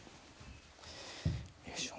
よいしょ。